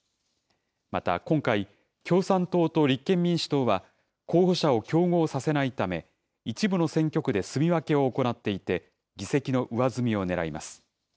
また今回、共産党と立憲民主党は、候補者を競合させないため、一部の選挙区ですみ分けを行っていて、議席の上積みをねらいます。